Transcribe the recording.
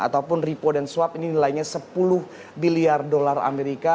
ataupun repo dan swab ini nilainya sepuluh miliar dolar amerika